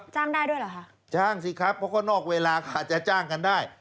จ้างได้ด้วยเหรอคะจ้างสิครับเพราะก็นอกเวลาค่ะจะจ้างกันได้